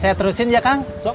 saya terusin ya kang